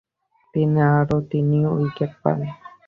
তিনি আরও তিন উইকেট পান।